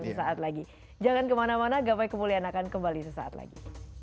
sesaat lagi jangan kemana mana gapai kemuliaan akan kembali sesaat lagi